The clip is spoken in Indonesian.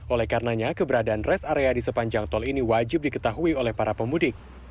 oleh karenanya keberadaan rest area di sepanjang tol ini wajib diketahui oleh para pemudik